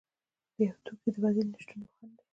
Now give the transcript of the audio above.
د یو توکي د بدیل نشتوالی یو خنډ دی.